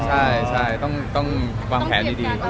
ใช่ต้องวางแผนดี